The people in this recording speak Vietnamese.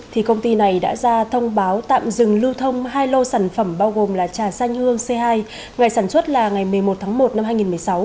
thì công ty này đã ra thông báo tạm dừng lưu thông hai lô sản phẩm bao gồm là trà xanh hương c hai ngày sản xuất là ngày một mươi một tháng một năm hai nghìn một mươi sáu